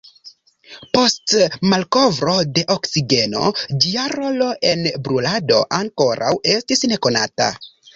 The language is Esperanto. Post malkovro de oksigeno ĝia rolo en brulado ankoraŭ estis nekonata.